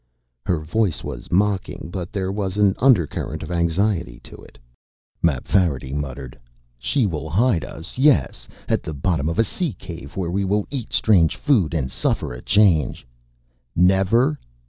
Her voice was mocking, but there was an undercurrent of anxiety to it. Mapfarity muttered, "She will hide us, yes, at the bottom of a sea cave where we will eat strange food and suffer a change. Never...."